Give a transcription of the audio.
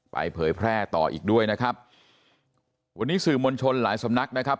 เผยแพร่ต่ออีกด้วยนะครับวันนี้สื่อมวลชนหลายสำนักนะครับ